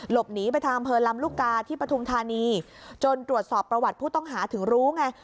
หลบหนีไปทางอำเภอลำลูกกาที่ปฐุมธานีจนตรวจสอบประวัติผู้ต้องหาถึงรู้ไง